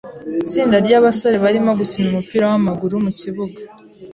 Itsinda ryabasore barimo gukina umupira wamaguru mu kibuga.